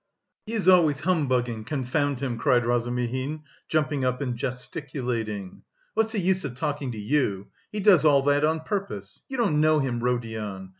"He is always humbugging, confound him," cried Razumihin, jumping up and gesticulating. "What's the use of talking to you? He does all that on purpose; you don't know him, Rodion!